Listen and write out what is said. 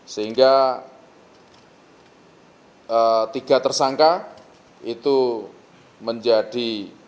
sehingga tiga tersangka itu menjadi